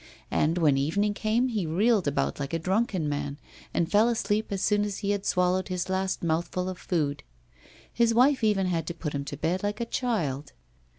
And when evening came he reeled about like a drunken man, and fell asleep as soon as he had swallowed his last mouthful of food. His wife even had to put him to bed like a child.